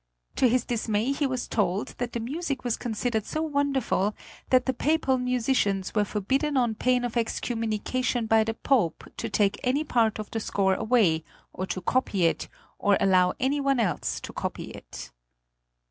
To his dismay he was told that the music was considered so wonderful that the Papal musicians were forbidden on pain of excommunication by the Pope to take any part of the score away, or to copy it, or allow any one else to copy it.